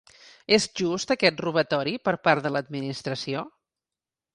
És just aquest robatori per part de l’administració?